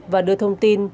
và đưa thông tin